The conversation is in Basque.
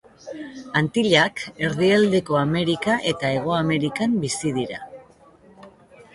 Antillak, Erdialdeko Amerika eta Hego Amerikan bizi dira.